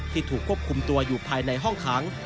ถูกควบคุมตัวอยู่ภายในห้องขัง